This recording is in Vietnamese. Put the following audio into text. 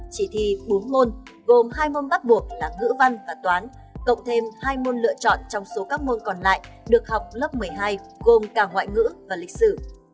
chỉ thi bốn môn gồm hai môn bắt buộc là ngữ văn và toán cộng thêm hai môn lựa chọn trong số các môn còn lại được học lớp một mươi hai gồm cả ngoại ngữ và lịch sử